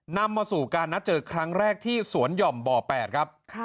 นำมาสู่การนัดเจอครั้งแรกที่สวนหย่อมบ่อ๘ครับ